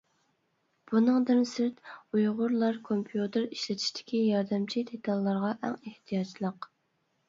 بۇنىڭدىن سىرت، ئۇيغۇرلار كومپيۇتېر ئىشلىتىشتىكى ياردەمچى دېتاللارغا ئەڭ ئېھتىياجلىق.